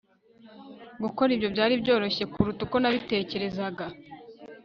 Gukora ibyo byari byoroshye kuruta uko nabitekerezaga